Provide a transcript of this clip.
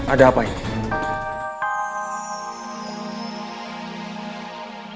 ada apa ini